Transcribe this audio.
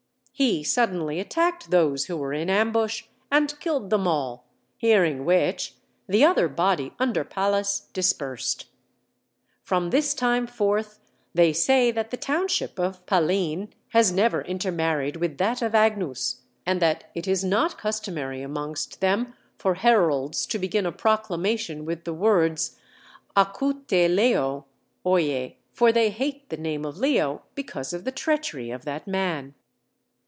He suddenly attacked those who were in ambush, and killed them all, hearing which the other body under Pallas dispersed. From this time forth they say that the township of Pallene has never intermarried with that of Agnus, and that it is not customary amongst them for heralds to begin a proclamation with the words "Acouete Leo," (Oyez) for they hate the name of Leo because of the treachery of that man.